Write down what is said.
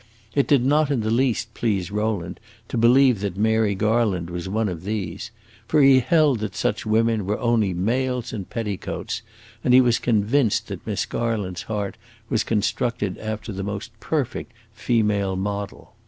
It did not in the least please Rowland to believe that Mary Garland was one of these; for he held that such women were only males in petticoats, and he was convinced that Miss Garland's heart was constructed after the most perfect feminine model.